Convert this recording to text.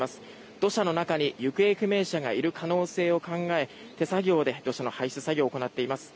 土砂の中に行方不明者がいる可能性を考え手作業で土砂の搬出作業を行っています。